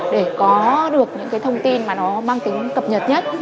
để có được những cái thông tin mà nó mang tính cập nhật nhất